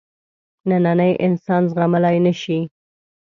نننی انسان زغملای نه شي.